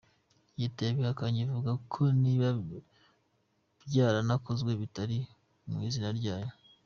Leta yabihakanye ivuga ko niba byaranakozwe bitari mu izina ryayo.